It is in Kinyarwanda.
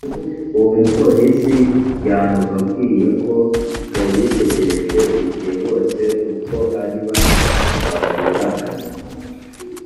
uwo mupolisi yababwiye ko yabitegereje igihe bose uko ari bane bahuraga